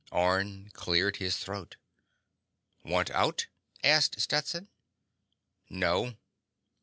Orne cleared his throat. "Want out?" asked Stetson. "No."